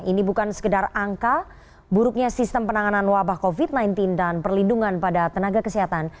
ini bukan sekedar angka buruknya sistem penanganan wabah covid sembilan belas dan perlindungan pada tenaga kesehatan